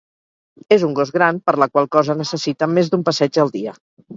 És un gos gran per la qual cosa necessita més d'un passeig al dia.